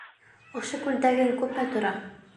Ошо күлдәгең күпме тора?